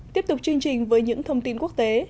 tiếp tục chương trình với những thông tin quốc tế